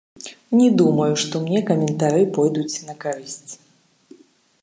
Не думаю, што мне каментары пойдуць на карысць.